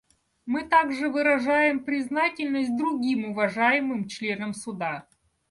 Мы также выражаем признательность другим уважаемым членам Суда.